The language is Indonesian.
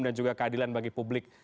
dan juga keadilan bagi publik